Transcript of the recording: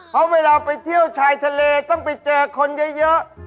เพราะเวลาไปเที่ยวชายทะเลต้องไปเจอคนเยอะ